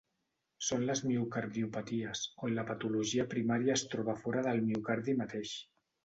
Són les miocardiopaties, on la patologia primària es troba fora del miocardi mateix.